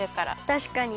たしかに。